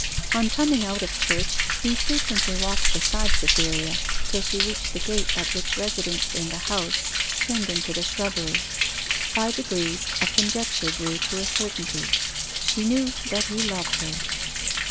On coming out of church he frequently walked beside Cytherea till she reached the gate at which residents in the House turned into the shrubbery. By degrees a conjecture grew to a certainty. She knew that he loved her.